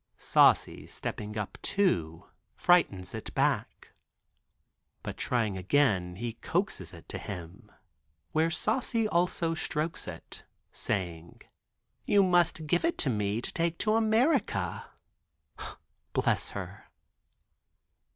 Saucy stepping up too frightens it back; but trying again he coaxes it to him, where Saucy also strokes it, saying: "You must give it to me to take to America," bless her.